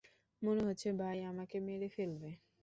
মনে হচ্ছে ভাই আমাকে মেরে ফেলবে।